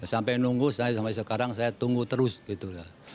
sampai nunggu saya sampai sekarang saya tunggu terus gitu ya